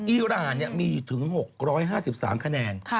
อิรามีถึง๖๕๓คะแนน